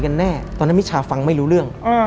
และไม่เคยเข้าไปในห้องมิชชาเลยแม้แต่ครั้งเดียว